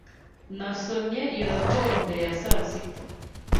Nasomye iyo raporo mbere ya saa sita.